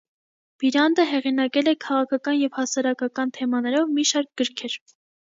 Բիրանդը հեղինակել է քաղաքական և հասարակական թեմաներով մի շարք գրքեր։